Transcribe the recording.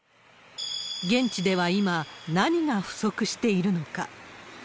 現地では今、何が不足しているのか。